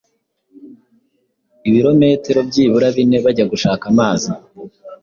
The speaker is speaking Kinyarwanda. ibirometero byibura bine bajya gushaka amazi